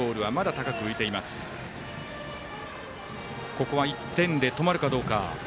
ここは１点で止まるかどうか。